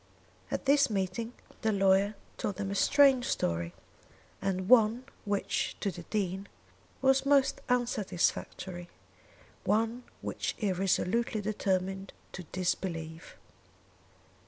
At this meeting the lawyer told them a strange story, and one which to the Dean was most unsatisfactory, one which he resolutely determined to disbelieve.